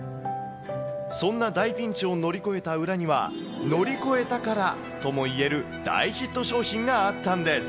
そんな大ピンチを乗り越えた裏には、乗り越え宝ともいえる大ヒット商品があったんです。